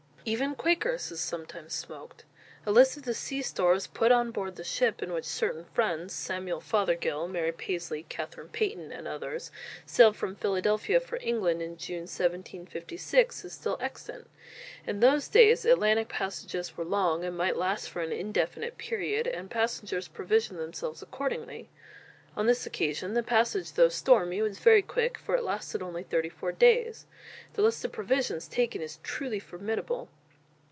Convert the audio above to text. Even Quakeresses sometimes smoked. A list of the sea stores put on board the ship in which certain friends Samuel Fothergill, Mary Peisly, Katherine Payton and others sailed from Philadelphia for England in June 1756, is still extant. In those days Atlantic passages were long, and might last for an indefinite period, and passengers provisioned themselves accordingly. On this occasion the passage though stormy was very quick, for it lasted only thirty four days. The list of provisions taken is truly formidable.